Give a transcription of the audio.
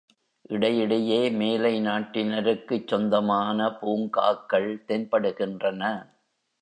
இடையிடையே மேலை நாட்டினருக்குச் சொந்தமான பூங்காக்கள் தென்படுகின்றன.